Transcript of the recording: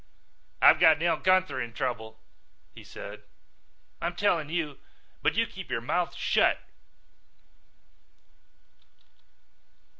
"I've got Nell Gunther in trouble," he said. "I'm telling you, but you keep your mouth shut."